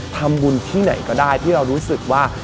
ทำบุญที่ไหนก็ได้ที่เรารู้สึกว่า